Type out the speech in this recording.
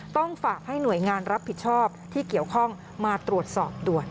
ต้องฝากให้หน่วยงานรับผิดชอบที่เกี่ยวข้องมาตรวจสอบด่วน